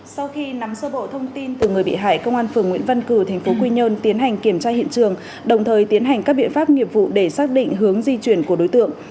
sau khi nắm sơ bộ thông tin từ người bị hại công an phường nguyễn văn cử tp quy nhơn tiến hành kiểm tra hiện trường đồng thời tiến hành các biện pháp nghiệp vụ để xác định hướng di chuyển của đối tượng